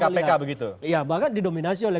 kpk begitu iya bahkan didominasi oleh